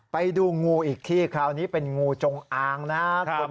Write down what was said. ไปดูงูอีกที่คราวนี้เป็นงูจงอางนะครับ